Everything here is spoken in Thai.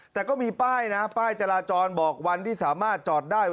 แต่ก็มีป้ายนะป้ายจราจรบอกวันที่สามารถจอดได้